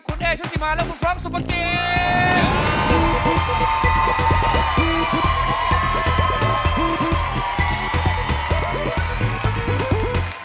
คุณเอชุธิมาและคุณทรงสุปกรีบ